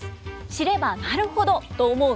知ればなるほどと思う